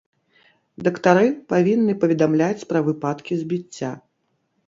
Дактары павінны паведамляць пра выпадкі збіцця.